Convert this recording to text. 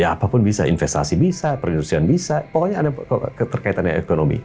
ya apapun bisa investasi bisa perindustrian bisa pokoknya ada keterkaitannya ekonomi